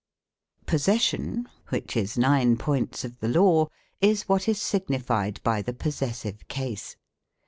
'k Possession, which is nine points of the law, is what is signified by the Possessive Case.